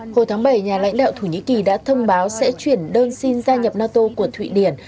hồi tháng bảy nhà lãnh đạo thổ nhĩ kỳ đã thông báo sẽ chuyển đơn xin gia nhập nato của thụy điển